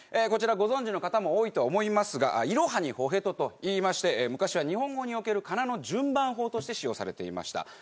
こちらご存じの方も多いと思いますが「いろはにほへと」といいまして昔は日本語における仮名の順番法として使用されていました。